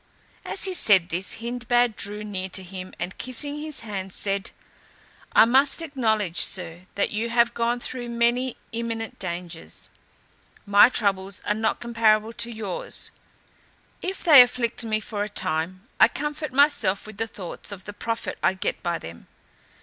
As he said this, Hindbad drew near to him, and kissing his hand, said, "I must acknowledge, sir, that you have gone through many imminent dangers; my troubles are not comparable to yours: if they afflict me for a time, I comfort myself with the thoughts of the profit I get by them.